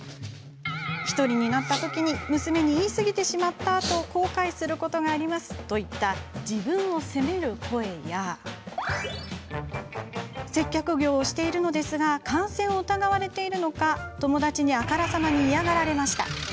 １人になったときに娘に言いすぎてしまったと後悔することがありますといった、自分を責める声や接客業をしているのですが感染を疑われているのか友達にあからさまに嫌がられました。